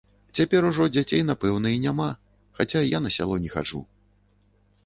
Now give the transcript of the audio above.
Цяпер ужо дзяцей, напэўна, і няма, хаця я на сяло не хаджу.